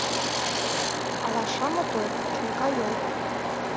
Алаша мотор — чулка йол.